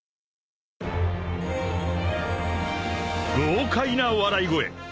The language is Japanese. ［豪快な笑い声］